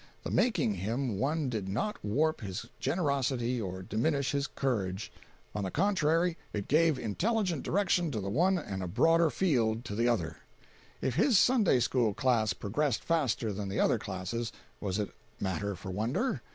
The making him one did not warp his generosity or diminish his courage; on the contrary it gave intelligent direction to the one and a broader field to the other. If his Sunday school class progressed faster than the other classes, was it matter for wonder?